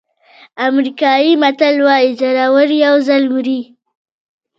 امریکایي متل وایي زړور یو ځل مري.